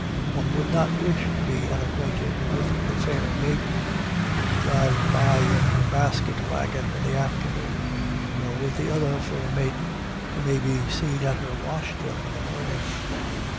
One would not wish to be unacquainted with the fair maiden who drives by in her basket wagon in the afternoon; nor with the other fair maiden, who may be seen at her washtub in the morning.